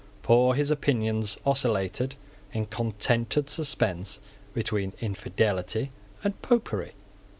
For his opinions oscillated in contented suspense between infidelity and Popery.